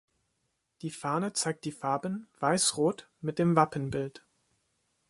Die Fahne zeigt die Farben Weiß-Rot mit dem Wappenbild.